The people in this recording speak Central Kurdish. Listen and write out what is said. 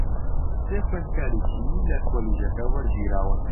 سێ خوێندکاری چینی لە کۆلیژەکە وەرگیراون.